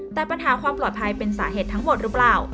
แต่ปัญหาความปลอดภัยเป็นสาเหตุทั้งหมดหรือเปล่า